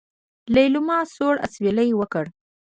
ليلما سوړ اسوېلی وکړ.